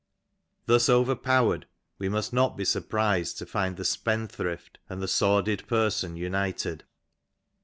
Thus overpowered we must not be sur prised to find the spendthrift and the sordid person united.